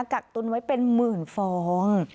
กักตุนไว้เป็นหมื่นฟอง